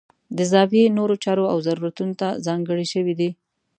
د زاویې نورو چارو او ضرورتونو ته ځانګړې شوي دي.